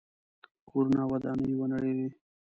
کورونه او ودانۍ ونړېدې.